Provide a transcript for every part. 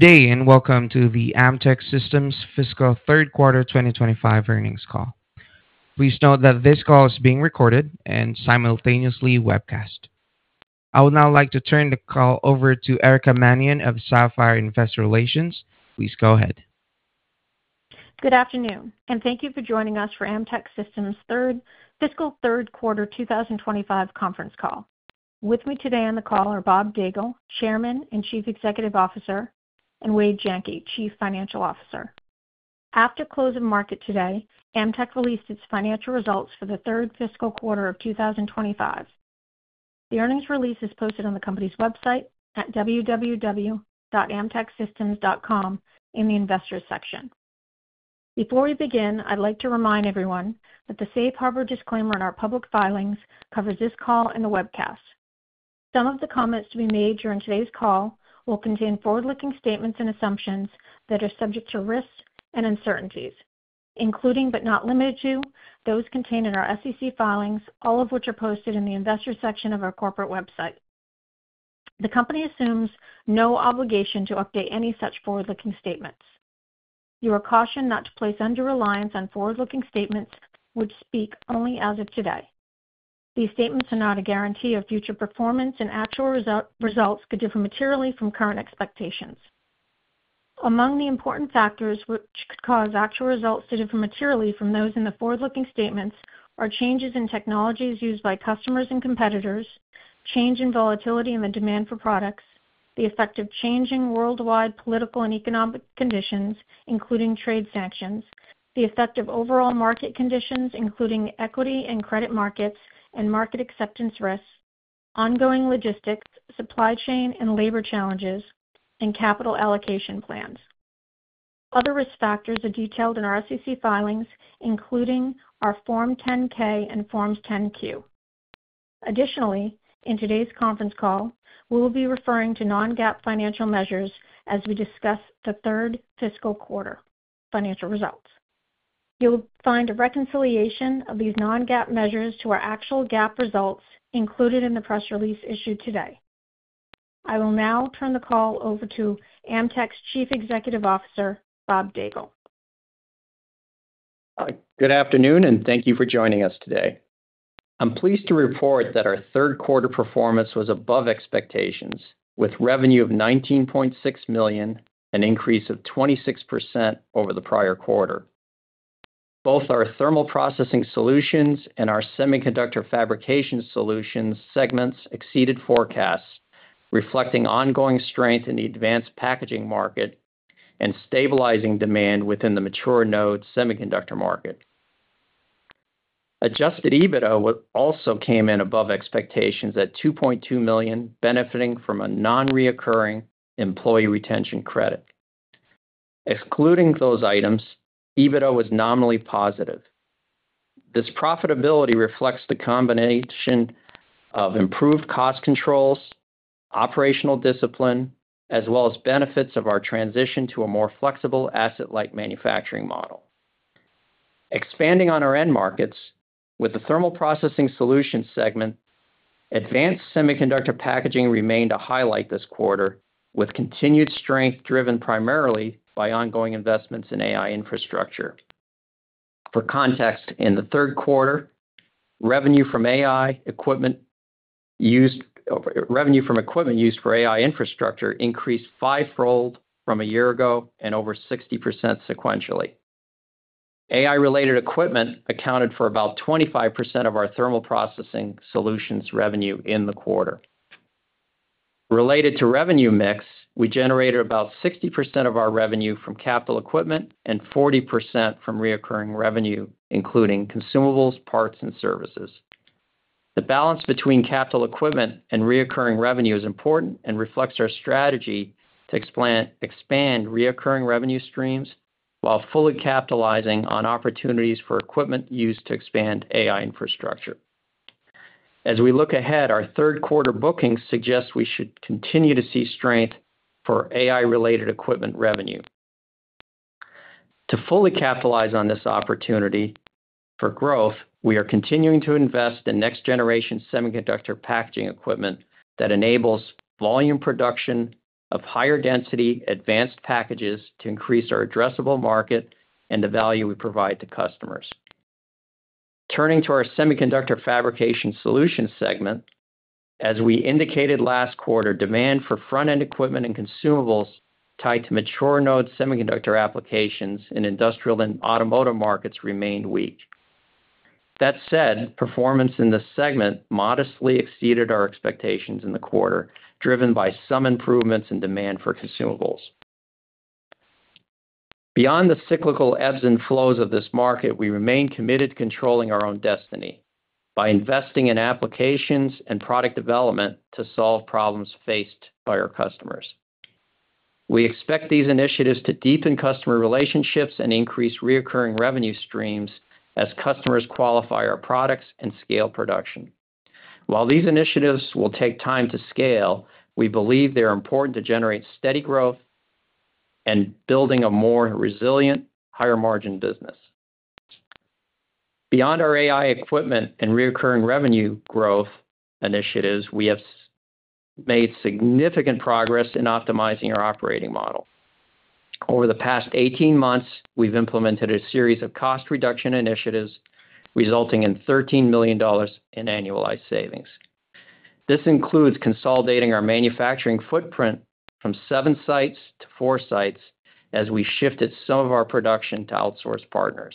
Good day, and welcome to the Amtech Systems' Fiscal Third Quarter 2025 Earnings Call. Please note that this call is being recorded and simultaneously webcast. I would now like to turn the call over to Erica Mannion of Sapphire Investor Relations. Please go ahead. Good afternoon, and thank you for joining us for Amtech Systems' Third Fiscal Third Quarter 2025 Conference Call. With me today on the call are Bob Daigle, Chairman and Chief Executive Officer, and Wade Jenke, Chief Financial Officer. After close of market today, Amtech released its financial results for the third fiscal quarter of 2025. The earnings release is posted on the company's website at www.amtechsystems.com in the Investors section. Before we begin, I'd like to remind everyone that the safe harbor disclaimer in our public filings covers this call and the webcast. Some of the comments to be made during today's call will contain forward-looking statements and assumptions that are subject to risks and uncertainties, including but not limited to those contained in our SEC filings, all of which are posted in the Investors section of our corporate website. The company assumes no obligation to update any such forward-looking statements. You are cautioned not to place undue reliance on forward-looking statements, which speak only as of today. These statements are not a guarantee of future performance, and actual results could differ materially from current expectations. Among the important factors which could cause actual results to differ materially from those in the forward-looking statements are changes in technologies used by customers and competitors, change in volatility in the demand for products, the effect of changing worldwide political and economic conditions, including trade sanctions, the effect of overall market conditions, including equity and credit markets and market acceptance risks, ongoing logistics, supply chain and labor challenges, and capital allocation plans. Other risk factors are detailed in our SEC filings, including our Form 10-K and Forms 10-Q. Additionally, in today's conference call, we will be referring to non-GAAP financial measures as we discuss the third fiscal quarter financial results. You'll find a reconciliation of these non-GAAP measures to our actual GAAP results included in the press release issued today. I will now turn the call over to Amtech's Chief Executive Officer, Bob Daigle. Good afternoon, and thank you for joining us today. I'm pleased to report that our third quarter performance was above expectations, with revenue of $19.6 million, an increase of 26% over the prior quarter. Both our thermal processing solutions and our semiconductor fabrication solutions segments exceeded forecasts, reflecting ongoing strength in the advanced packaging market and stabilizing demand within the mature node semiconductor market. Adjusted EBITDA also came in above expectations at $2.2 million, benefiting from a non-recurring employee retention credit. Excluding those items, EBITDA was nominally positive. This profitability reflects the combination of improved cost controls, operational discipline, as well as benefits of our transition to a more flexible asset-light manufacturing model. Expanding on our end markets, with the thermal processing solutions segment, advanced semiconductor packaging remained a highlight this quarter, with continued strength driven primarily by ongoing investments in AI infrastructure. For context, in the third quarter, revenue from equipment used for AI infrastructure increased five-fold from a year ago and over 60% sequentially. AI-related equipment accounted for about 25% of our thermal processing solutions revenue in the quarter. Related to revenue mix, we generated about 60% of our revenue from capital equipment and 40% from recurring revenue, including consumables, parts, and services. The balance between capital equipment and recurring revenue is important and reflects our strategy to expand recurring revenue streams while fully capitalizing on opportunities for equipment used to expand AI infrastructure. As we look ahead, our third quarter bookings suggest we should continue to see strength for AI-related equipment revenue. To fully capitalize on this opportunity for growth, we are continuing to invest in next-generation semiconductor packaging equipment that enables volume production of higher-density advanced packages to increase our addressable market and the value we provide to customers. Turning to our semiconductor fabrication solutions segment, as we indicated last quarter, demand for front-end equipment and consumables tied to mature node semiconductor applications in industrial and automotive markets remained weak. That said, performance in this segment modestly exceeded our expectations in the quarter, driven by some improvements in demand for consumables. Beyond the cyclical ebbs and flows of this market, we remain committed to controlling our own destiny by investing in applications and product development to solve problems faced by our customers. We expect these initiatives to deepen customer relationships and increase recurring revenue streams as customers qualify our products and scale production. While these initiatives will take time to scale, we believe they're important to generate steady growth and build a more resilient, higher-margin business. Beyond our AI equipment and recurring revenue growth initiatives, we have made significant progress in optimizing our operating model. Over the past 18 months, we've implemented a series of cost reduction initiatives resulting in $13 million in annualized savings. This includes consolidating our manufacturing footprint from seven sites to four sites as we shifted some of our production to outsourcing partners.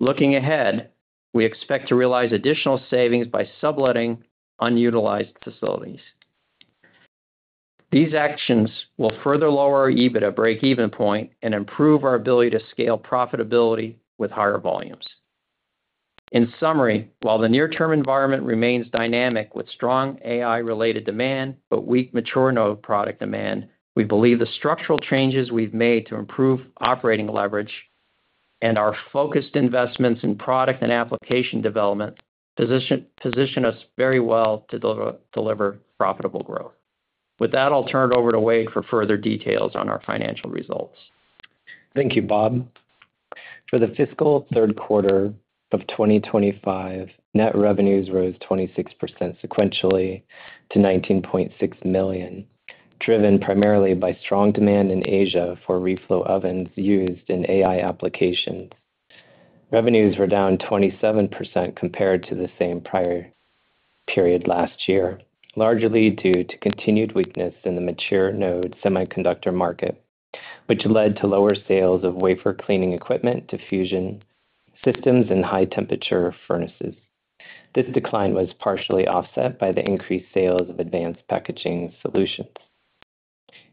Looking ahead, we expect to realize additional savings by subletting unutilized facilities. These actions will further lower our EBITDA break-even point and improve our ability to scale profitability with higher volumes. In summary, while the near-term environment remains dynamic with strong AI-related demand but weak mature node product demand, we believe the structural changes we've made to improve operating leverage and our focused investments in product and application development position us very well to deliver profitable growth. With that, I'll turn it over to Wade for further details on our financial results. Thank you, Bob. For the fiscal third quarter of 2025, net revenues rose 26% sequentially to $19.6 million, driven primarily by strong demand in Asia for reflow ovens used in AI applications. Revenues were down 27% compared to the same prior period last year, largely due to continued weakness in the mature node semiconductor market, which led to lower sales of wafer cleaning equipment, diffusion systems, and high-temperature furnaces. This decline was partially offset by the increased sales of advanced packaging solutions.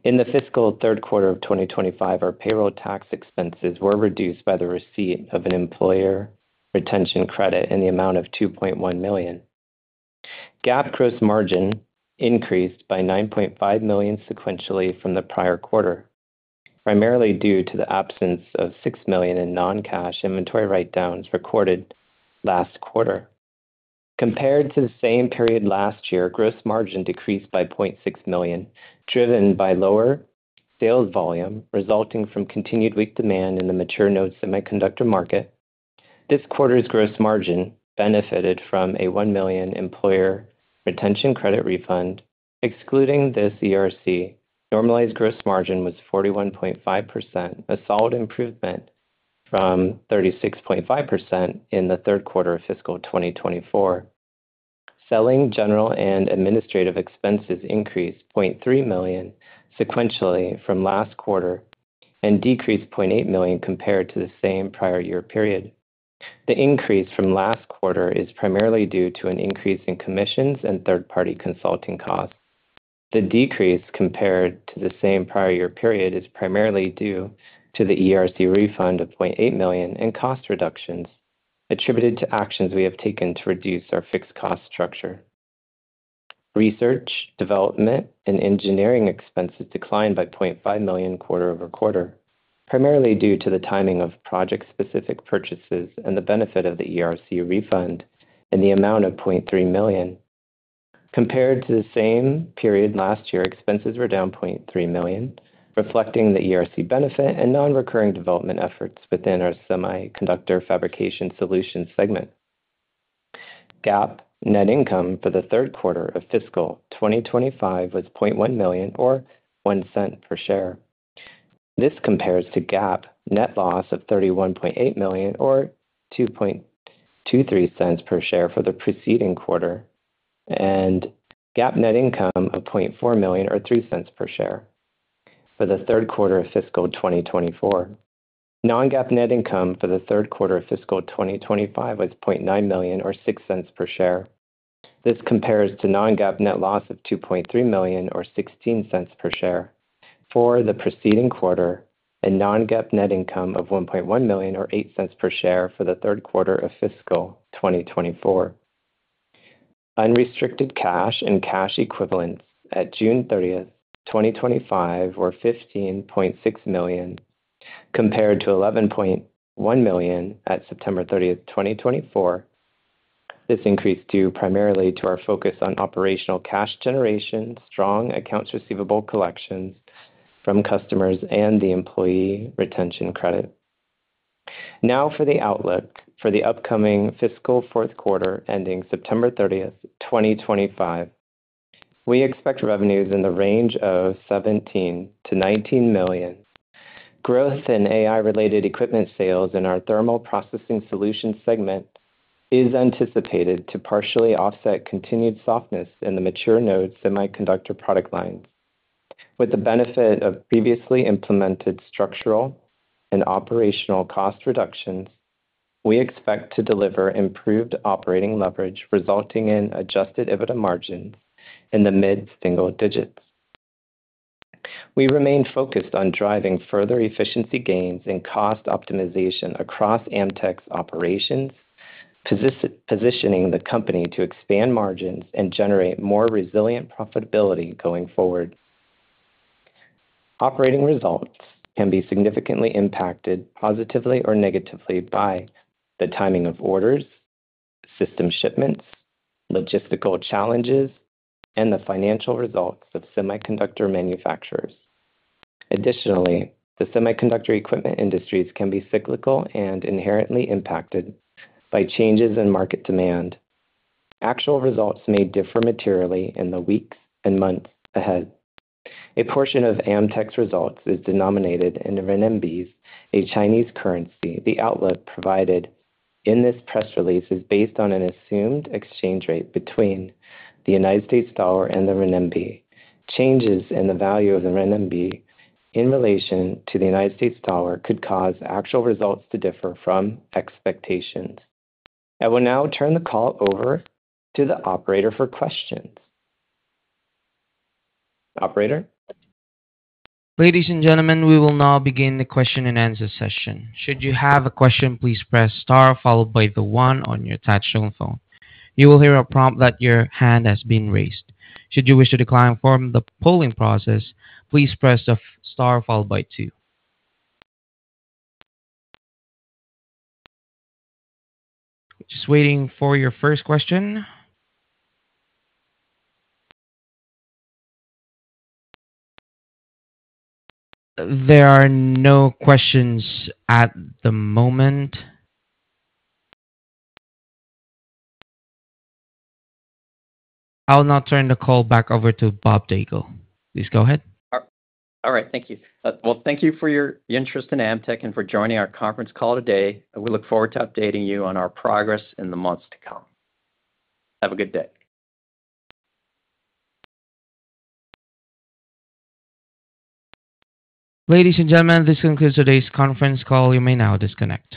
In the fiscal third quarter of 2025, our payroll tax expenses were reduced by the receipt of an employer retention credit in the amount of $2.1 million. GAAP gross margin increased by $9.5 million sequentially from the prior quarter, primarily due to the absence of $6 million in non-cash inventory write-downs recorded last quarter. Compared to the same period last year, gross margin decreased by $0.6 million, driven by lower sales volume resulting from continued weak demand in the mature node semiconductor market. This quarter's gross margin benefited from a $1 million employer retention credit refund. Excluding this ERC, normalized gross margin was 41.5%, a solid improvement from 36.5% in the third quarter of fiscal 2024. Selling, general, and administrative expenses increased $0.3 million sequentially from last quarter and decreased $0.8 million compared to the same prior year period. The increase from last quarter is primarily due to an increase in commissions and third-party consulting costs. The decrease compared to the same prior year period is primarily due to the ERC refund of $0.8 million and cost reductions attributed to actions we have taken to reduce our fixed cost structure. Research, development, and engineering expenses declined by $0.5 million quarter over quarter, primarily due to the timing of project-specific purchases and the benefit of the ERC refund in the amount of $0.3 million. Compared to the same period last year, expenses were down $0.3 million, reflecting the ERC benefit and non-recurring development efforts within our semiconductor fabrication solutions segment. GAAP net income for the third quarter of fiscal 2025 was $0.1 million or $0.01 per share. This compares to GAAP net loss of $31.8 million or $2.23 per share for the preceding quarter and GAAP net income of $0.4 million or $0.03 per share for the third quarter of fiscal 2024. Non-GAAP net income for the third quarter of fiscal 2025 was $0.9 million or $0.06 per share. This compares to non-GAAP net loss of $2.3 million or $0.16 per share for the preceding quarter and non-GAAP net income of $1.1 million or $0.08 per share for the third quarter of fiscal 2024. Unrestricted cash and cash equivalents at June 30th, 2025 were $15.6 million compared to $11.1 million at September 30th, 2024. This increase is due primarily to our focus on operational cash generation, strong accounts receivable collections from customers, and the employee retention credit. Now for the outlook for the upcoming fiscal fourth quarter ending September 30th, 2025. We expect revenues in the range of $17 million-$19 million. Growth in AI-related equipment sales in our thermal processing solutions segment is anticipated to partially offset continued softness in the mature node semiconductor product lines. With the benefit of previously implemented structural and operational cost reductions, we expect to deliver improved operating leverage, resulting in adjusted EBITDA margins in the mid-single digits. We remain focused on driving further efficiency gains and cost optimization across Amtech's operations, positioning the company to expand margins and generate more resilient profitability going forward. Operating results can be significantly impacted positively or negatively by the timing of orders, system shipments, logistical challenges, and the financial results of semiconductor manufacturers. Additionally, the semiconductor equipment industries can be cyclical and inherently impacted by changes in market demand. Actual results may differ materially in the weeks and months ahead. A portion of Amtech Systems' results is denominated in renminbi, a Chinese currency. The outlook provided in this press release is based on an assumed exchange rate between the United States dollar and the renminbi. Changes in the value of the renminbi in relation to the United States dollar could cause actual results to differ from expectations. I will now turn the call over to the operator for questions. Operator? Ladies and gentlemen, we will now begin the question-and-answer session. Should you have a question, please press star followed by the one on your attached telephone. You will hear a prompt that your hand has been raised. Should you wish to decline from the polling process, please press the star followed by two. Just waiting for your first question. There are no questions at the moment. I'll now turn the call back over to Bob Daigle. Please go ahead. All right, thank you. Thank you for your interest in Amtech and for joining our conference call today. We look forward to updating you on our progress in the months to come. Have a good day. Ladies and gentlemen, this concludes today's conference call. You may now disconnect.